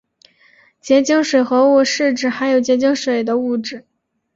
结晶水合物是指含有结晶水的物质。